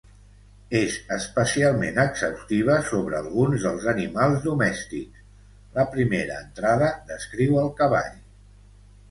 És especialment exhaustiva sobre alguns dels animals domèstics: la primera entrada descriu el cavall.